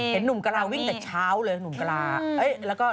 เห็นหนุ่มกระลาวิ่งแต่เช้าเลยหนุ่มกะลา